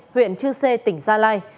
huyện chư sê tỉnh gia lai